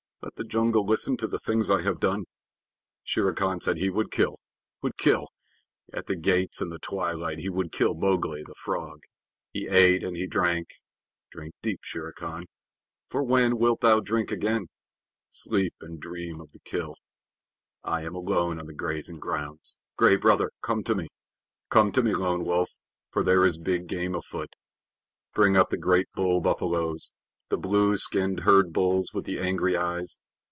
Let the jungle listen to the things I have done. Shere Khan said he would kill would kill! At the gates in the twilight he would kill Mowgli, the Frog! He ate and he drank. Drink deep, Shere Khan, for when wilt thou drink again? Sleep and dream of the kill. I am alone on the grazing grounds. Gray Brother, come to me! Come to me, Lone Wolf, for there is big game afoot! Bring up the great bull buffaloes, the blue skinned herd bulls with the angry eyes.